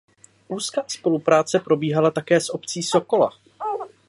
Úzká spolupráce probíhala také s obcí Sokola.